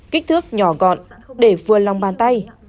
kích thước nhỏ gọn để vừa lòng bàn tay